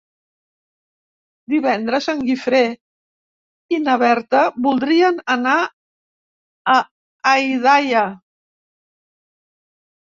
Divendres en Guifré i na Berta voldrien anar a Aldaia.